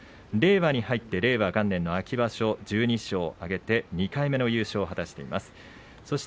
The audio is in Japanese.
令和に入って令和元年の秋場所１２勝を挙げて２回目の優勝を果たしています。